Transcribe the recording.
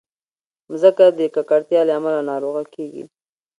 مځکه د ککړتیا له امله ناروغه کېږي.